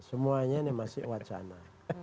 semuanya ini masih wacana